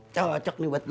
cocok nih buat gua